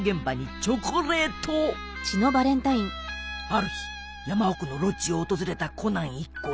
ある日山奥のロッジを訪れたコナン一行。